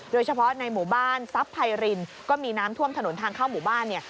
โดยเฉพาะในหมู่บ้านทรัพย์ไพรินก็มีน้ำท่วมถนนทางเข้าหมู่บ้านเนี่ย